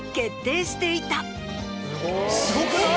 すごくない？